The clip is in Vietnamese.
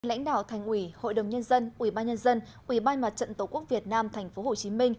lãnh đạo thành ủy hội đồng nhân dân ủy ban nhân dân ủy ban mặt trận tổ quốc việt nam tp hcm